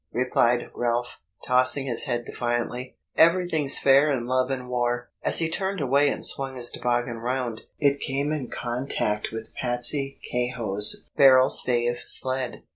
replied Ralph, tossing his head defiantly; "everything's fair in love and war." As he turned away and swung his toboggan round, it came in contact with Patsey Kehoe's barrel stave sled.